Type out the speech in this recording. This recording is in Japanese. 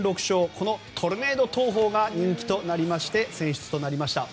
このトルネード投法が人気となりまして選出となりました。